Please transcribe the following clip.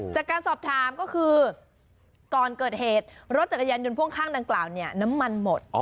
จากการสอบถามก็คือก่อนเกิดเหตุรถจักรยานยนต์พ่วงข้างดังกล่าวเนี่ยน้ำมันหมด